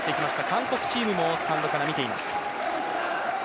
韓国チームもスタンドから見ています。